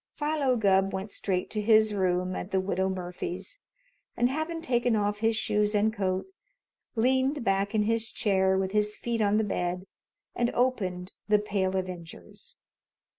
Philo Gubb went straight to his room at the Widow Murphy's, and having taken off his shoes and coat, leaned back in his chair with his feet on the bed, and opened "The Pale Avengers."